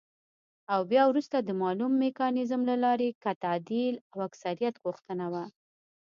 او بيا وروسته د مالوم ميکانيزم له لارې که تعديل د اکثريت غوښتنه وه،